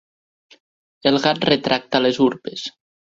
El gat retracta les urpes.